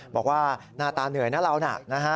บอกว่าหน้าตาเหนื่อยนะเราน่ะนะฮะ